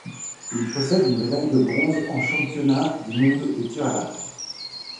Il possède une médaille de bronze aux championnats du monde de tir à l'arc.